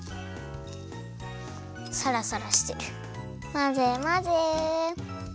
まぜまぜ。